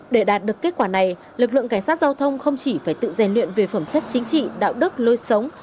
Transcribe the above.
để đạt được kết quả này lực lượng cảnh sát giao thông không chỉ phải tự rèn luyện về phẩm chất chính trị đạo đức lối sống